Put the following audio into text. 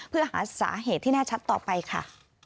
เพื่อหาสาเหตุที่แน่ชัดต่อไปค่ะ